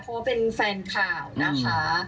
เพราะว่าเป็นแฟนข่าวนะคะ